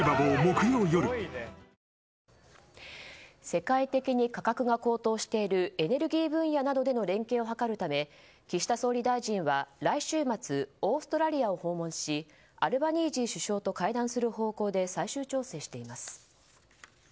世界的に価格が高騰しているエネルギー分野などでの連携を図るため岸田総理大臣は来週末オーストラリアを訪問しアルバニージー首相と会談する方向で最終調整しています。